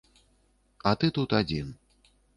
А тут ты адзін.